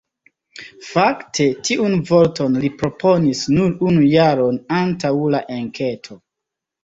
Fakte, tiun vorton li proponis nur unu jaron antaŭ la enketo.